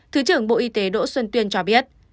thứ trưởng bộ y tế đỗ xuân tuyên cho biết